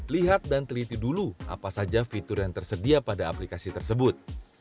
lihat dan teliti dulu apa saja fitur yang tersedia pada aplikasi tersebut